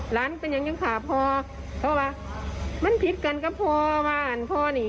หลานเป็นยังจังขาพอเขาบอกว่ามันผิดกันก็พอว่าพอนี้